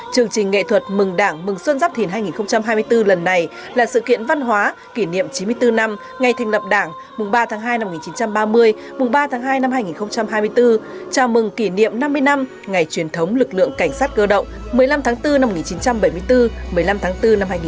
chương trình nghệ thuật mừng đảng mừng xuân giáp thìn hai nghìn hai mươi bốn lần này là sự kiện văn hóa kỷ niệm chín mươi bốn năm ngày thành lập đảng mùng ba tháng hai năm một nghìn chín trăm ba mươi mùng ba tháng hai năm hai nghìn hai mươi bốn chào mừng kỷ niệm năm mươi năm ngày truyền thống lực lượng cảnh sát cơ động một mươi năm tháng bốn năm một nghìn chín trăm bảy mươi bốn một mươi năm tháng bốn năm hai nghìn hai mươi bốn